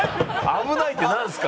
「危ない」ってなんですか？